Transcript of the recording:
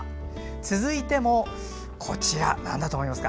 続いて、こちらはなんだと思いますか？